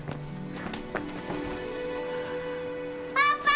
パパ！